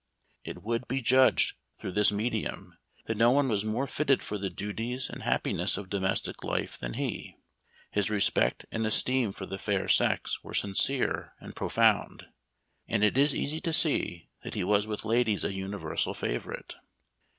It would be judged through this medium that no one was more fitted for the duties and happi ness of domestic life than he. His respect and esteem for the fair sex were sincere and pro found ; and it is easy to see that he was with ladies a universal favorite.